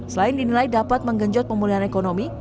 selain dinilai dapat menggenjot pemulihan ekonomi